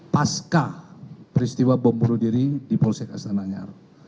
pasca peristiwa bom bunuh diri di polsek astana anyar